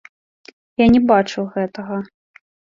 Я не бачыў гэтага.